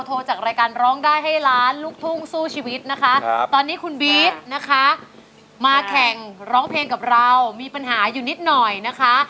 ตอนนี้คุณบีซมาแข่งร้องเพลงกับเรามีปัญหาอยู่นิดหน่อยนะคะ